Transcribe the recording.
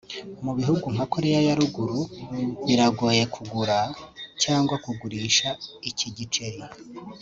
Mu bihugu nka Koreya ya ruguru biragoye kugura cyangwa kugurisha iki giceri